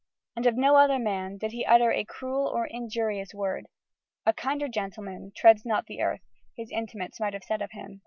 And of no other man did he utter a cruel or an injurious word. "A kinder gentleman treads not the earth," his intimates might have said of him, as he of Antonio.